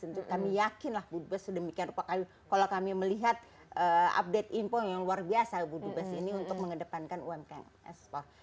tentu kami yakinlah budubes sedemikian kalau kami melihat update info yang luar biasa budubes ini untuk mengedepankan umkm ekspor